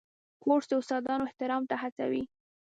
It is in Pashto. کورس د استادانو احترام ته هڅوي.